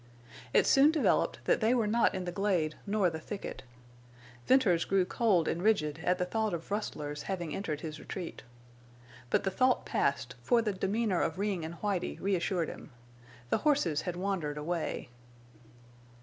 It soon developed that they were not in the glade nor the thicket. Venters grew cold and rigid at the thought of rustlers having entered his retreat. But the thought passed, for the demeanor of Ring and Whitie reassured him. The horses had wandered away.